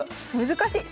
難しい。